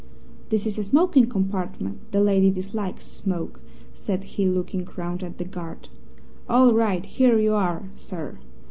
"This is a smoking compartment. The lady dislikes smoke," said he, looking round at the guard. "All right! Here you are, sir!"